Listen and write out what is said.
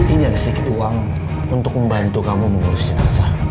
ini ada sedikit uang untuk membantu kamu mengurus jenazah